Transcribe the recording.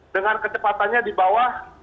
dengan kecepatannya di bawah